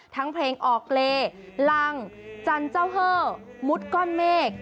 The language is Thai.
ทั้งเพลงออกเลลังจันเจ้าเฮอร์มุดก้อนเมฆ